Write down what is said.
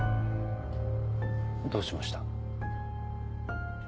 どうしました？